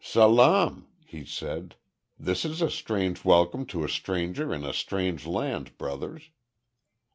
"Salaam!" he said. "This is a strange welcome to a stranger in a strange land, brothers."